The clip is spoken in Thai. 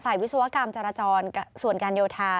วิศวกรรมจรจรส่วนการโยธา